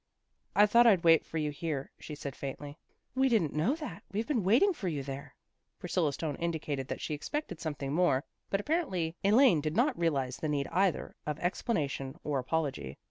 " I thought I'd wait for you here," she said faintly. " We didn't know that. We've been waiting for you there." Priscilla's tone indicated that she expected something more, but apparently Elaine did not realize the need either of ex planation or apology.